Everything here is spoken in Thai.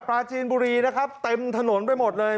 ปลาจีนบุรีนะครับเต็มถนนไปหมดเลย